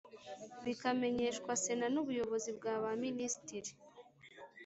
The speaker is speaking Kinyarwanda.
bikamenyeshwa sena n ubuyobozi bwa baminisitiri